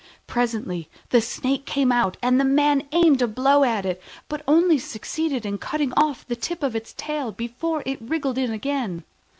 Presently the Snake came out, and the man aimed a blow at it, but only succeeded in cutting off the tip of its tail before it wriggled in again.